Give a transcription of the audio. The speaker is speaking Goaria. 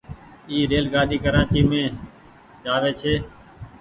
اي ريل گآڏي ڪرآچي مين جآوي ڇي۔